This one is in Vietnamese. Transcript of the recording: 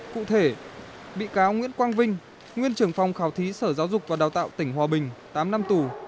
cụ thể bị cáo nguyễn quang vinh nguyên trưởng phòng khảo thí sở giáo dục và đào tạo tỉnh hòa bình tám năm tù